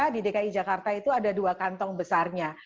di dki jakarta itu ada dua kantong besarnya